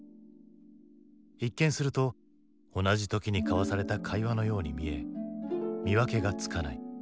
一見すると同じ時に交わされた会話のように見え見分けがつかない。